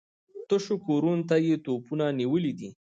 تشو کورونو ته يې توپونه نيولي دي.